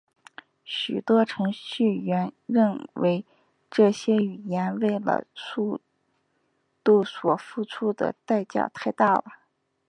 许多程序员认为这些语言为了速度所付出的代价太大了。